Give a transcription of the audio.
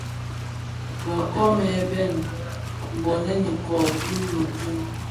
Bë nkoomèn bèn nbonèn iko bi mëku.